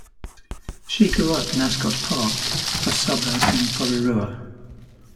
She grew up in Ascot Park, a suburb in Porirua.